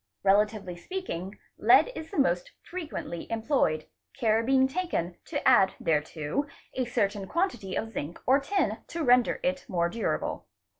Relatively speaking lead is the most frequently employed, care being taken to add thereto a certain quantity of zinc or tin to render it more durable.